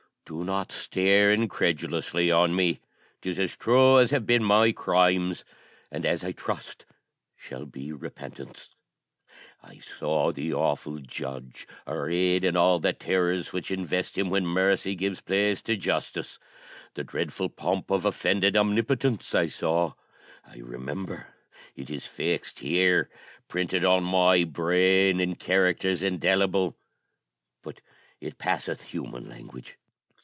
Do not stare incredulously on me 'tis as true as have been my crimes, and as, I trust, shall be repentance. I saw the awful Judge arrayed in all the terrors which invest him when mercy gives place to justice. The dreadful pomp of offended omnipotence, I saw I remember. It is fixed here; printed on my brain in characters indelible; but it passeth human language.